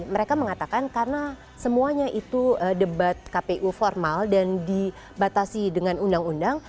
mereka mengatakan karena semuanya itu debat kpu formal dan dibatasi dengan undang undang